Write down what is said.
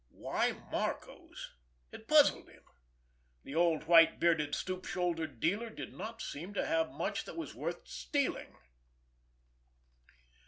Why Marco's? It puzzled him. The old white bearded, stoop shouldered dealer did not seem to have much that was worth stealing!